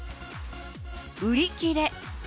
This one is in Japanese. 売り切れ。